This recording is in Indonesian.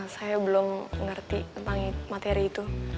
saya belum ngerti tentang materi itu